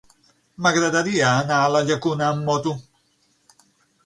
M'agradaria anar a la Llacuna amb moto.